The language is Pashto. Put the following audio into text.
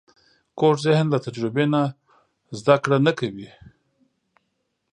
کوږ ذهن له تجربې نه زده کړه نه کوي